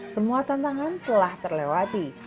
semua tantangan telah terlewati